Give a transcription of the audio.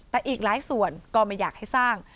แต่อีกหลายส่วนก็ไม่อยากให้สร้าง